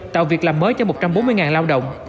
tạo việc làm mới cho một trăm bốn mươi lao động